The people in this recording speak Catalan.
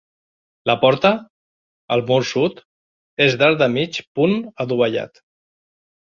La porta, al mur sud, és d'arc de mig punt adovellat.